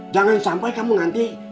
jangan sampai kamu nanti